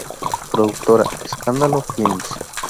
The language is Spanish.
Productora: Escándalo Films.